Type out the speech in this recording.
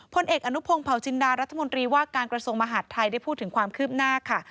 พลเอกอนุพงศ์เผาจินดารัฐมนตรีว่าการกระทรวงมหาดไทยได้พูดถึงความคืบหน้าค่ะ